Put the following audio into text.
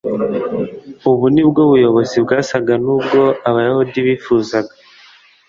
Ubwo nibwo buyobozi bwasaga nubwo abayuda bifuzaga.